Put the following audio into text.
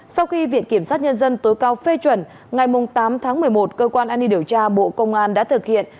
sau khi viện kiểm sát nhân dân tối cao phê chuẩn ngày tám tháng một mươi một cơ quan an ninh điều tra bộ công an đã thực hiện